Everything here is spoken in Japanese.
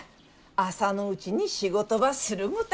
朝のうちに仕事ばするごた。